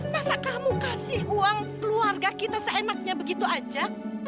masa kamu kasih uang keluarga kita seenaknya begitu aja